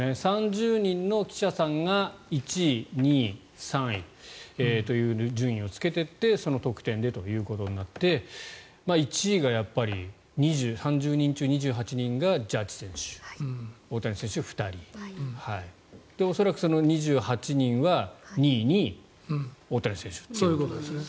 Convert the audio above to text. ３０人の記者さんが１位、２位、３位という順位をつけていってその得点でということになって１位が３０人中２８人がジャッジ選手大谷選手が２人恐らくその２８人は、２位に大谷選手ということなんですね。